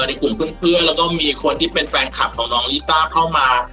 ในกลุ่มเพื่อนแล้วก็มีคนที่เป็นแฟนคลับของน้องลิซ่าเข้ามา